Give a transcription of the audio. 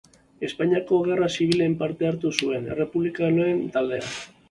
Espainiako Gerra Zibilean parte hartu zuen, errepublikanoen taldean.